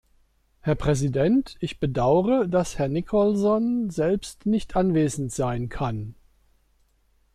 Herr Präsident, ich bedaure, dass Herr Nicholson selbst nicht anwesend sein kann.